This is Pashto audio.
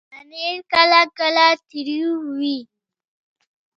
پنېر کله کله تریو وي.